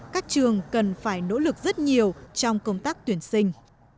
các trường cần phải nỗ lực rất nhiều trong công tác tuyển sinh